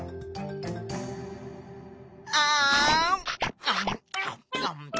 あん。